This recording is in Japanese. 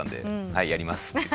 「はいやります」って。